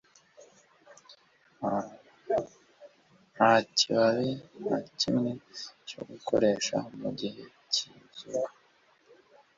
Nta kibabi na kimwe cyo gukoresha mu gihe cyizuba